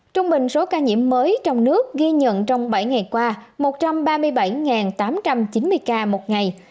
trung bình số ca nhiễm mới trong nước ghi nhận trong bảy ngày qua một trăm ba mươi bảy tám trăm chín mươi ca một ngày